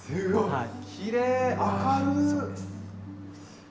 はい。